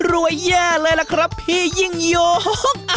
แย่เลยล่ะครับพี่ยิ่งยง